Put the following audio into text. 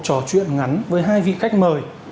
trò chuyện ngắn với hai vị khách mời